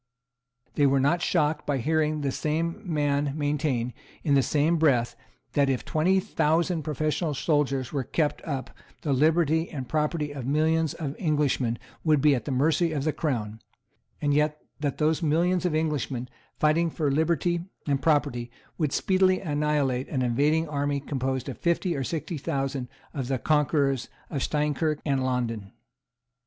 They were not shocked by hearing the same man maintain, in the same breath, that, if twenty thousand professional soldiers were kept up, the liberty and property of millions of Englishmen would be at the mercy of the Crown, and yet that those millions of Englishmen, fighting for liberty and property, would speedily annihilate an invading army composed of fifty or sixty thousand of the conquerors of Steinkirk and Landen.